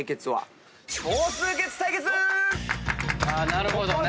なるほどね。